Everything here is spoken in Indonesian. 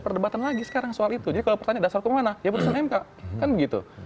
perdebatan lagi sekarang soal itu jadi kalau pertanyaan dasar kemana ya putusan mk kan begitu